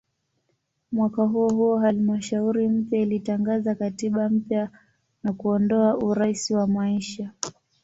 Mwaka huohuo halmashauri mpya ilitangaza katiba mpya na kuondoa "urais wa maisha".